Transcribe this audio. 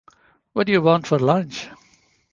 What do you want for lunch?